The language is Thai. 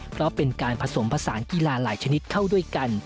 เพราะเป็นการผสมผสานกีฬาหลายชนิดเข้าด้วยกัน